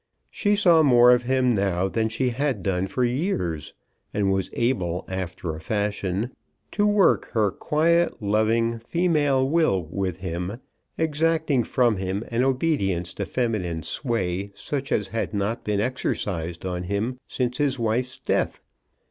She saw more of him now than she had done for years, and was able, after a fashion, to work her quiet, loving, female will with him, exacting from him an obedience to feminine sway such as had not been exercised on him since his wife's death.